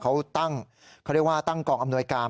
เขาตั้งเขาเรียกว่าตั้งกองอำนวยการ